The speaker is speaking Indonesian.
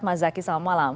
mas zaki selamat malam